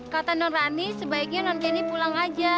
kata non rani sebaiknya non candy pulang aja